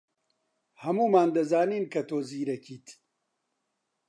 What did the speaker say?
ھەموومان دەزانین کە تۆ زیرەکیت.